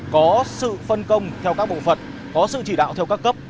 có sự phân công theo các bộ phận có sự chỉ đạo theo các cấp